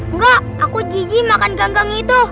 enggak aku giji makan ganggang itu